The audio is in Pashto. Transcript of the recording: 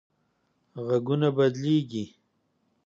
غږونه بدلېږي